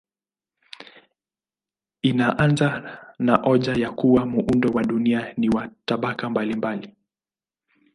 Inaanza na hoja ya kuwa muundo wa dunia ni wa tabaka mbalimbali.